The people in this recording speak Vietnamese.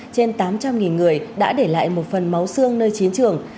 trên tám trăm linh người đã để lại một phần máu xương nơi chiến trường